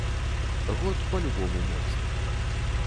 Год па любому моцны.